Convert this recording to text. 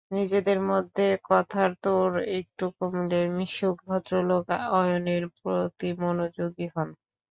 নিজেদের মধ্যে কথার তোড় একটু কমলে মিশুক ভদ্রলোক অয়নের প্রতি মনোযোগী হন।